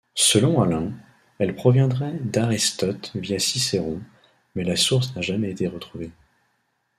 Selon Alain, elle proviendrait d’Aristote via Cicéron, mais la source n’a jamais été retrouvée.